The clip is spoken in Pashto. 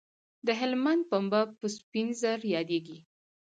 د هلمند پنبه په سپین زر یادیږي